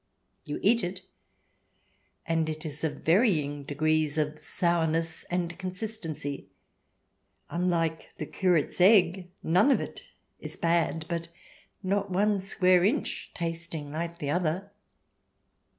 You eat it, and it is of varying degrees of sourness and consistency; unlike the curate's egg, none of it bad, but not one square inch tasting like the other.